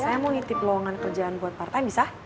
saya mau ngitip luangan kerjaan buat part time bisa